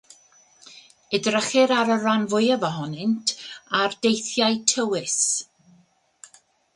Edrychir ar y rhan fwyaf ohonynt ar deithiau tywys.